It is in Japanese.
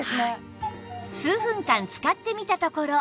数分間使ってみたところ